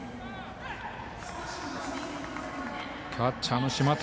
キャッチャーの島瀧